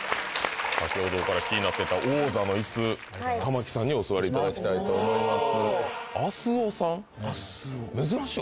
先ほどから気になってた王座の椅子玉置さんにお座りいただきたいと思います